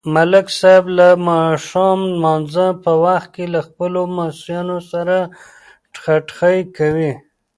ملک صاحب د ماښام نمانځه په وخت له خپلو لمسیانو سره ټخټخی کوي.